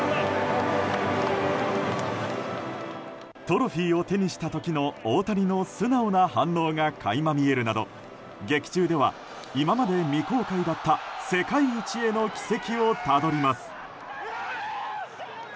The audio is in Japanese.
トロフィーを手にした時の大谷の素直な反応が垣間見えるなど劇中では今まで未公開だった世界一への軌跡をたどります。